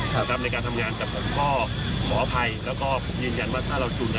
ครับครับในการทำงานกับผมก็ขออภัยแล้วก็ผมเย็นยันว่าถ้าเราจูนกัน